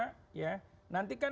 nanti kan proses ini bisa berjalan